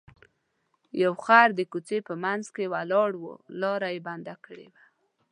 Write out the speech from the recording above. یو خر د کوڅې په منځ کې ولاړ و لاره یې بنده کړې وه.